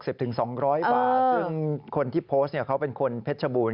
ซึ่งคนที่โพสต์เนี่ยเขาเป็นคนเพชรบูรณ